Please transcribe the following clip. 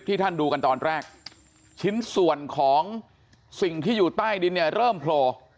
ท่านดูกันตอนแรกชิ้นส่วนของสิ่งที่อยู่ใต้ดินเนี่ยเริ่มโผล่